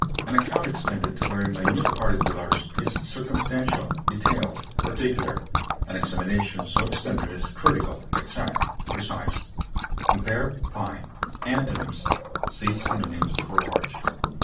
An account extended to very minute particulars is circumstantial, detailed, particular; an examination so extended is critical, exact, precise. Compare FINE. Antonyms: See synonyms for LARGE.